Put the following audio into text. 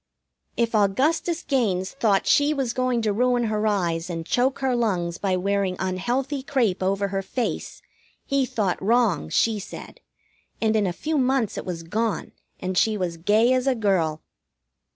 If Augustus Gaines thought she was going to ruin her eyes and choke her lungs by wearing unhealthy crêpe over her face he thought wrong, she said, and in a few months it was gone and she was as gay as a girl.